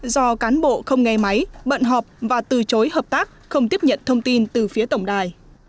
do cán bộ không nghe máy bận họp và từ chối hợp tác không tiếp nhận thông tin từ phía tổng đài